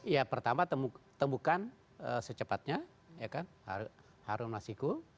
ya pertama temukan secepatnya ya kan harun masiko